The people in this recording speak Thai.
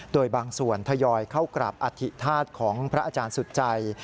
โดยบางส่วนทยอยเข้ากราบอธิธาตุของพระอาจารย์สุดใจ